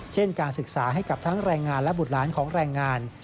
การศึกษาให้กับทั้งแรงงานและบุตรหลานของแรงงาน